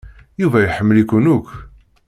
Yuba iḥemmel-iken akk.